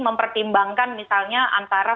mempertimbangkan misalnya antara